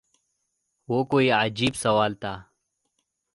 وہ کوئی عجیب سوال تھا